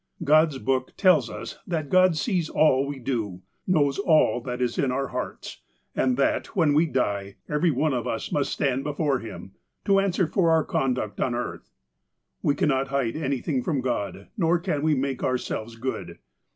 "God's Book tells us that God sees all we do, knows all that is in our hearts, and that, when we die, every one of us must stand before Him, to answer for our conduct on earth. " We cannot hide anything from God, nor can we make ourselves good.